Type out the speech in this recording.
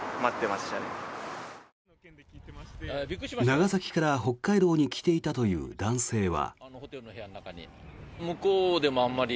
長崎から北海道に来ていたという男性は。